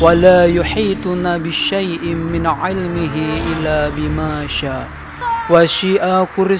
siapa yang menerima kematiannya hanya dengan kebenaran